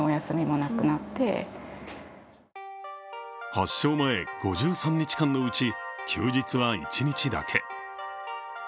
発症前５３日間のうち休日は一日だけ。